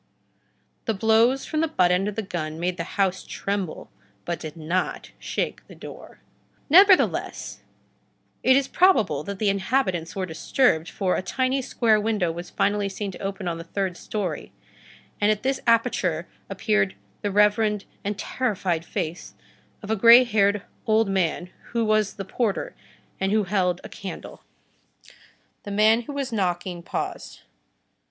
The blows from the butt end of the gun made the house tremble, but did not shake the door. Nevertheless, it is probable that the inhabitants were disturbed, for a tiny, square window was finally seen to open on the third story, and at this aperture appeared the reverend and terrified face of a gray haired old man, who was the porter, and who held a candle. The man who was knocking paused.